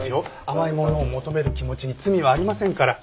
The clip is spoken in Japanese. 甘いものを求める気持ちに罪はありませんから。